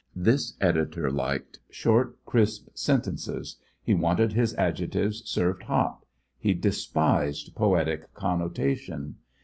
This editor liked short, crisp sentences. He wanted his adjectives served hot. He despised poetic connotation.